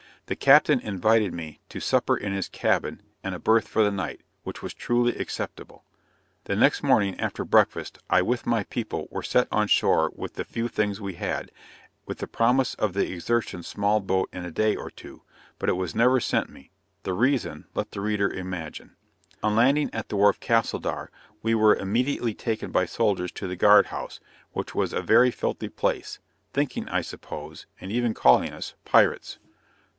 The captain invited me to supper in his cabin, and a berth for the night, which was truly acceptable. The next morning after breakfast, I with my people were set on shore with the few things we had, with the promise of the Exertion's small boat in a day or two, but it was never sent me the reason, let the reader imagine. On landing at the wharf Casildar, we were immediately taken by soldiers to the guard house, which was a very filthy place; thinking I suppose, and even calling us, pirates.